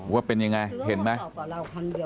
ว่าเป็นยังไงเห็นไหม